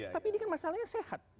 tapi ini kan masalahnya sehat